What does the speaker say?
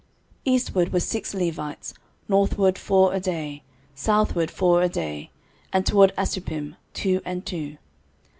13:026:017 Eastward were six Levites, northward four a day, southward four a day, and toward Asuppim two and two.